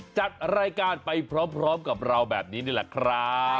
จัดรายการไปพร้อมกับเราแบบนี้นี่แหละครับ